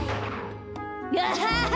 アハハ！